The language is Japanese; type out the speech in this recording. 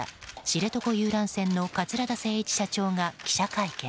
知床遊覧船の桂田精一社長が記者会見。